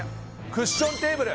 クッションテーブル